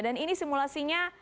dan ini simulasinya